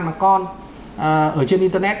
mà con ở trên internet